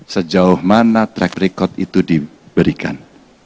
sejauh mana track record itu diberikan